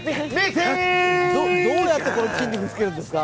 どうやってこの筋肉をつけるんですか？